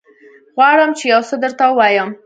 غواړم چې يوڅه درته ووايم.